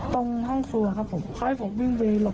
ทุกอย่างที่ผมพูดมาเป็นเรื่องจริง